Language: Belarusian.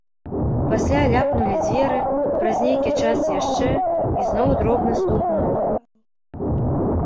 Пасля ляпнулі дзверы, праз нейкі час яшчэ, і зноў дробны стук ног.